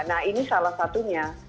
nah ini salah satunya